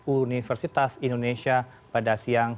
universitas indonesia pada siang